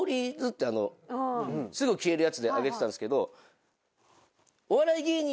すぐ消えるやつで上げてたんですけど。